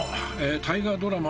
大河ドラマ